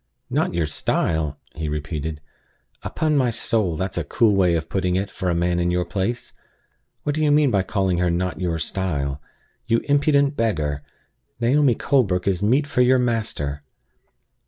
"Not your style?" he repeated. "Upon my soul, that's a cool way of putting it, for a man in your place! What do you mean by calling her 'not your style?' You impudent beggar! Naomi Colebrook is meat for your master!"